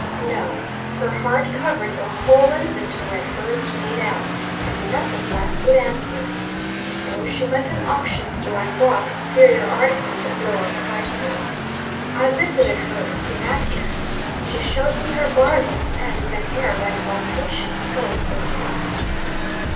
No; her heart covered the whole inventory at first made out, and nothing less would answer. So she went to an auction store, and bought inferior articles at lower prices. I visited her soon after. She showed me her bargains, and, with an air of exultation, spoke of the cost.